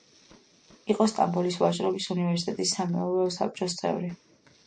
იყო სტამბოლის ვაჭრობის უნივერსიტეტის სამეურვეო საბჭოს წევრი.